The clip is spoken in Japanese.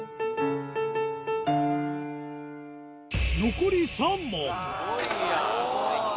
残り３問。